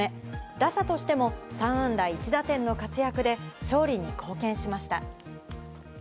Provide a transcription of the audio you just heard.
打者としても３安打１打点の活躍で勝利に貢献しました。